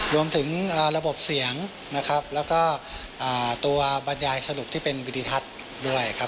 รวมถึงระบบเสียงนะครับแล้วก็ตัวบรรยายสรุปที่เป็นวิธีทัศน์ด้วยครับ